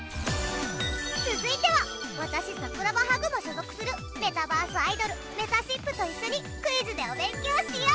続いては私桜葉ハグも所属するメタバースアイドルめたしっぷと一緒にクイズでお勉強しよう！